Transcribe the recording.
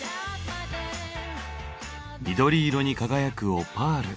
緑色に輝くオパール。